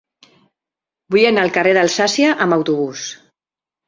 Vull anar al carrer d'Alsàcia amb autobús.